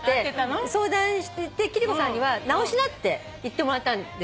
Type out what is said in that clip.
貴理子さんには直しなって言ってもらったんです。